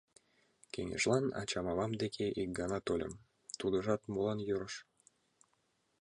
Кеҥежлан ачам-авам деке ик гана тольым, тудыжат молан йӧрыш?